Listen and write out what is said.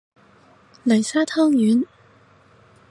擂沙湯圓